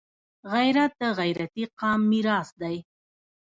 غیرت د غیرتي قام میراث دی